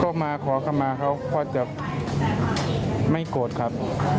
ก็มาขอคำมาเขาก็จะไม่โกรธครับ